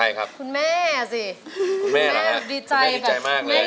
ใครครับคุณแม่สิดีใจมากเลยคุณแม่ดีใจ